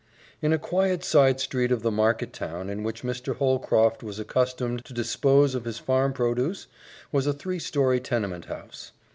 In a quiet side street of the market town in which Mr. Holcroft was accustomed to dispose of his farm produce was a three story tenement house.